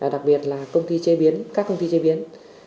đặc biệt là công ty chế biến các công ty chế biến